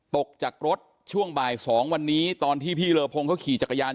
ตกจากรถช่วงบ่าย๒วันนี้ตอนที่พี่เลอพงเขาขี่จักรยาน